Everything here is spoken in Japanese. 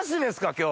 今日。